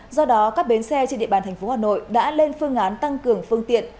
do đó các bến xe trên địa bàn thành phố hà nội đã lên phương án tăng cường phương tiện